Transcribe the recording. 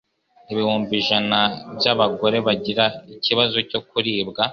ibihumbi ijana by'abagore bagira ikibazo cyo kuribwa